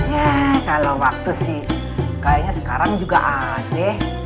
ya kalau waktu sih kayaknya sekarang juga aneh